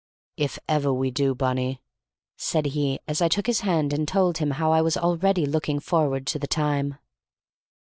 "If ever we do, Bunny!" said he, as I took his hand and told him how I was already looking forward to the time.